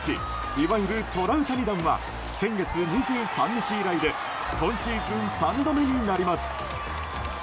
いわゆるトラウタニ弾は先月２３日以来で今シーズン３度目になります。